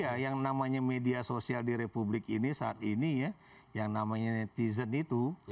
ya yang namanya media sosial di republik ini saat ini ya yang namanya netizen itu